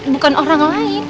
bukan orang lain